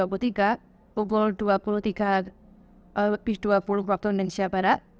pukul dua puluh tiga dua puluh wib